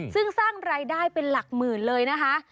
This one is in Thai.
ซึ่งสร้างรายได้เป็นหลักหมื่นเลยนะคะ